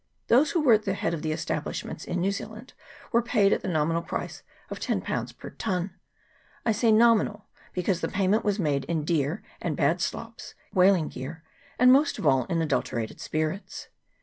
Those who were at the head of the establishments in New Zea land were paid at the nominal price of 10/. per tun; I say nominal, because the payment was made in dear and bad slops, whaling gear, and, most of all, in adulterated spirits.